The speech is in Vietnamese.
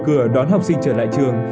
mở cửa đón học sinh trở lại trường